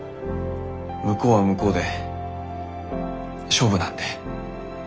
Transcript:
向こうは向こうで勝負なんで。